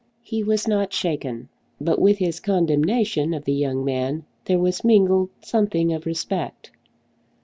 He was not shaken; but with his condemnation of the young man there was mingled something of respect.